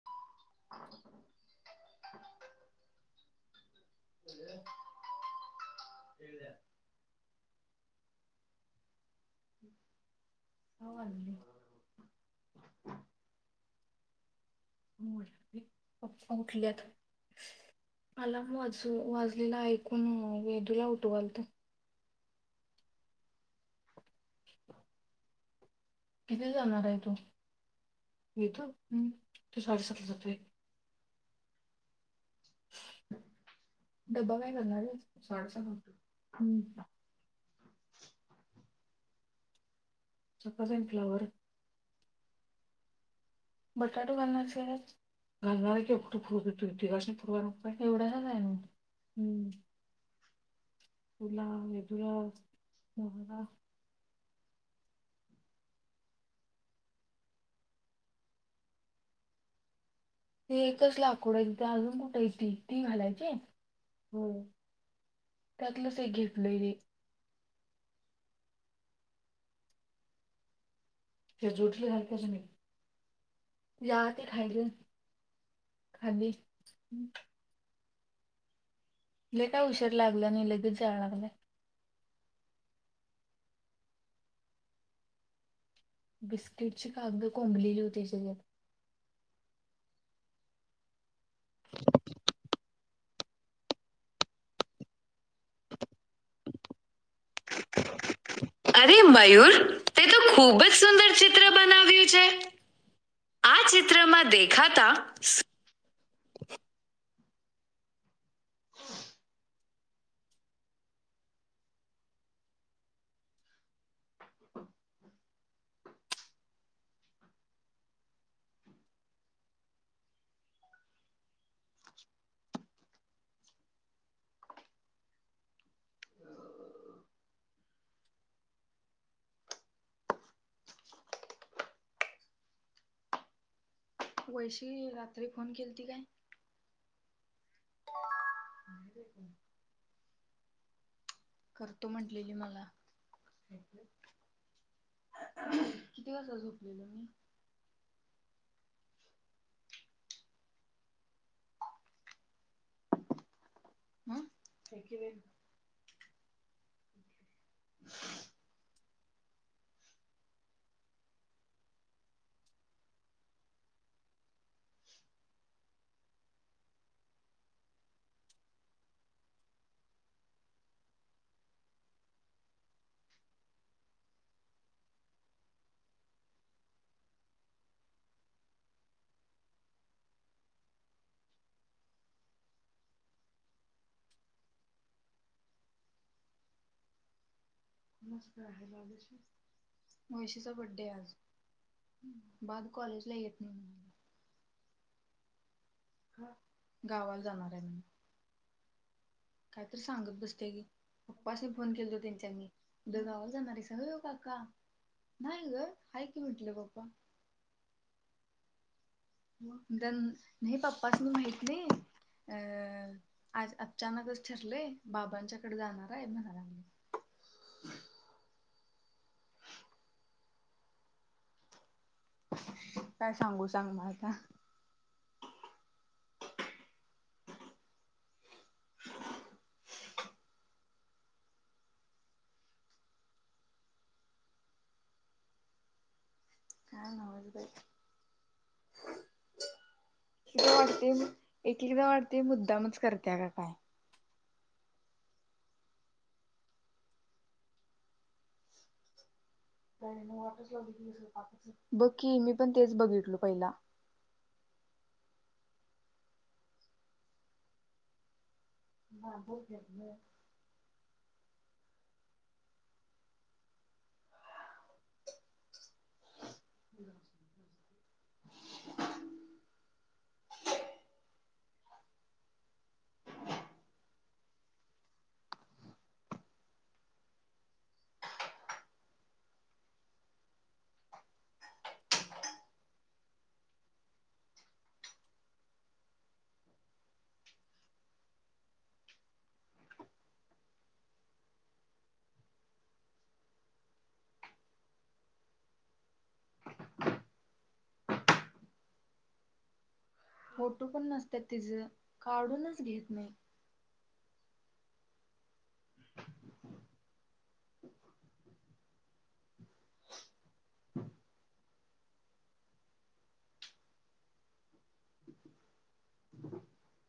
[inaudible] [inaudible] ह. [unintelligible] [unintelligible] पप्पा उठल्यात. अलार्म वाजू वाजलेला ऐकून वेदूला उठवालत. किती जाणार आहे तो येतो हम्म ते साडेसातला जाते. ह. डब्बा काय करणार आहे साडे सहाला हम्म. चका जेन फ्लाॉवर आहे. बटाटो घालणारची आज. घालणार आहे का कुठे [unintelligible] एवढ्या ना हाय हम्म. तुला मेदुराला. [inaudible] ते एकच लाकोडा येईल ते अजून कुठेय ती ती घालायची हो. त्यातलंच एक घेतलंय है. ते जुटल्या सारख्याचं नाही. याआधी खायल खाली. लय काय उशर लागलं आणि लगेच जाया लागलंय. बिस्किटची कागदं कोंबलेली होती ह्याच्यात. [inaudible] [unintelligible] [unintelligible] [inaudible] [inaudible] [inaudible] [unintelligible] [inaudible] वैशील रात्री फोन केल ती काय? ह. करतो म्हटलेली मला. किती वाजता झोपलेल मी. म हाय की नाय. [inaudible] मस्त आहे बाबाशी वैशीचा बड्डे आज बाद कॉलेजला येत नाही. म्हणाली गावाला जाणार आहे मी. काय तर सांगत बसते हि पप्पास्नि फोन केलतो त्यांच्या मी उद्या गावाला जाणारेस [unintelligible] काका नाही गं आहे की म्हटलं पप्पा. मग दन नाही पप्पास नी माहित नाही. अ आज अचानकच ठरलेय बाबांच्याकडे जाणार आहे म्हणा लागले. काय सांगू सांग म आता? ह. काय नव्हच बाई. एका वाटते मी एक एकदा वाटते मुद्दामच करतया का काय. बघ की मी पण तेच बघितलो पहिला. बाबु [unintelligible] [inaudible] [inaudible] फोटो पण नसतात तिचं, काढूनच घेत नाही. [inaudible]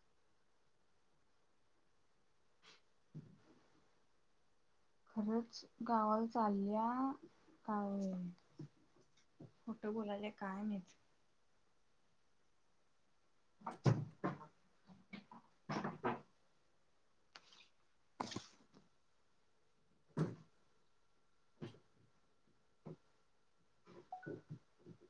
खरंच गावाला चालल्या काय कोठं बोलाल्या काय माहीत. [inaudible] [inaudible] [inaudible]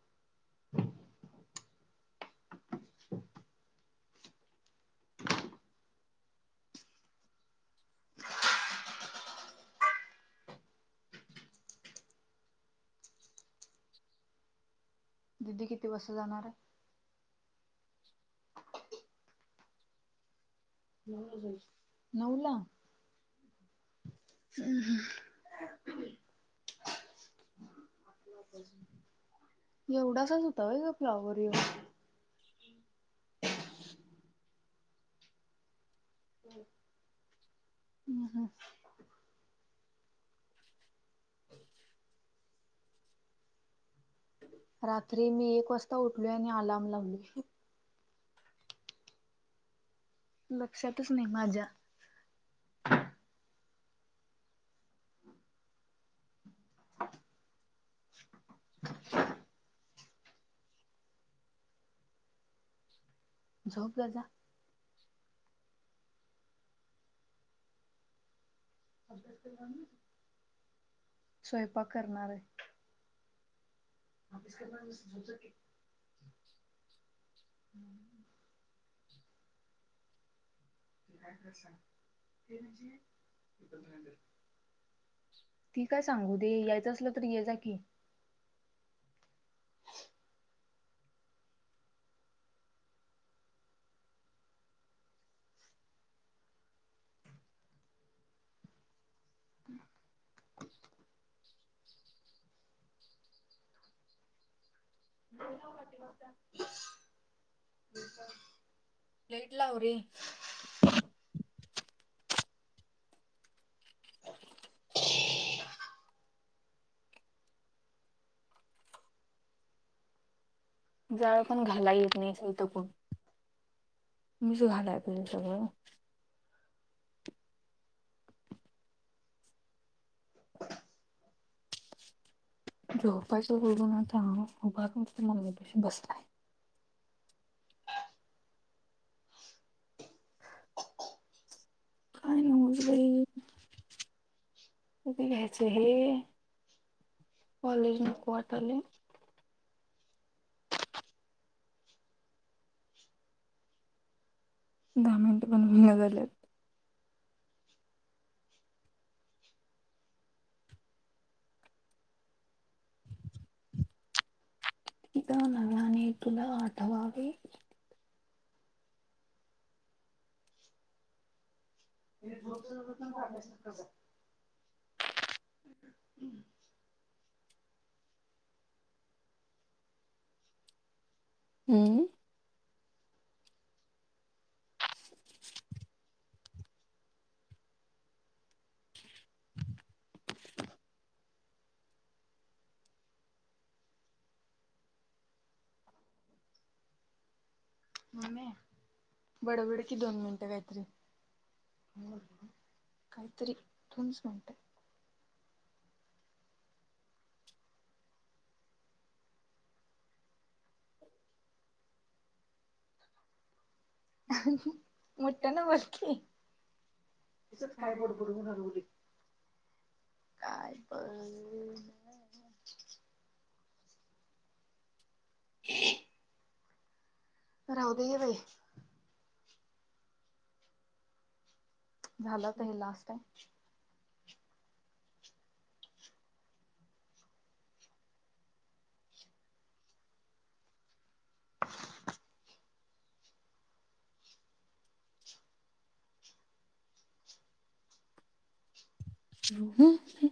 दिदी किती वाज जाणार आय. नऊला. हम्म हम्म. एवढासाच होता होय ग फ्लावर या? ह हा. रात्री मी एक वाजता उठलोय आणि आलर्म लावलोय. लक्षातच नाही माझ्या. झोप जा. स्वयंपाक करणारय. [unintelligible] [unintelligible] ती काय सांगू दे, यायचं असलं तर येजा की. [inaudible] स काटे बघता [unintelligible] [inaudible] लैट लाव रे. [inaudible] जाळ पण घाला येत नाही. इथ पण, मीच घालाय पाहिजे सगळं. झोपायच सोडून आता उभारुन निस्ता मम्मीपशी बसलाय. काय नव्हच बाई. [inaudible] कधी घ्यायचं हे, कॉलेज नको वाटाले. दहा मिनटं पण हूईना झाल्यात. तिथं नव्याने तुला आठवावे. तिथे झोप तर जा नाहितर अभ्यास तर कर जा हम्म. हम. मम्मे बडबड कि दोन मिनिटं काहीतरी, काही तरी [unintelligible] [inaudible] मोठ्यान बोल की, तिजच काय बड बडवून हलवूदे. काय पण, [inaudible] राहूदे घे बाई. झाल काय हे लास्ट. [unintelligible]